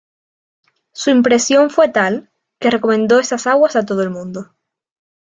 Su impresión fue tal, que recomendó esas aguas a todo el mundo.